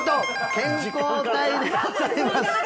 健康体でございます